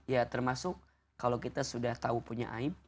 ya termasuk kalau kita sudah tahu punya aib